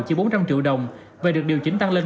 chỉ bốn trăm linh triệu đồng và được điều chỉnh tăng lên